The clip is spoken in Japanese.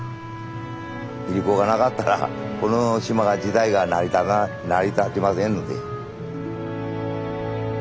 いりこがなかったらこの島自体が成り立ちませんので。